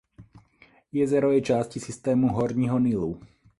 Jezero je částí systému horního Nilu.